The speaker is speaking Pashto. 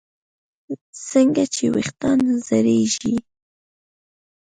څنګه چې ویښتان زړېږي